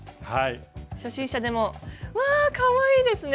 初心者でもうわかわいいですね！